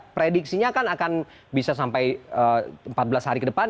prediksinya kan akan bisa sampai empat belas hari ke depan